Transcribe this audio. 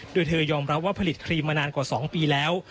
โดยเธอยอมรับว่าผลิตครีมมานานกว่า๒ปีแล้ว